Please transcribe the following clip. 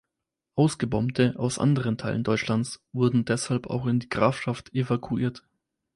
Ausgebombte aus anderen Teilen Deutschlands wurden deshalb auch in die Grafschaft evakuiert.